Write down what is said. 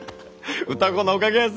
歌子のおかげヤサ！